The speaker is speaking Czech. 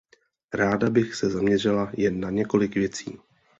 Ráda bych se zaměřila jen na několik věcí.